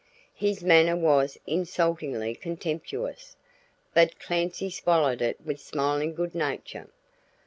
His manner was insultingly contemptuous, but Clancy swallowed it with smiling good nature.